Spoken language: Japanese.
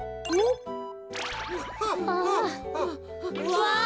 わあ！